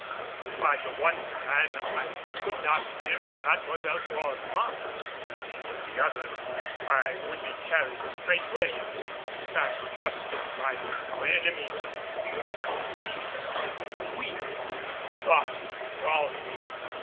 But by the one plan I could not hear of Mademoiselle for months; by the other I would be carried straightway to San Augustin by our enemies, and might see her within the week. The thought enthralled me.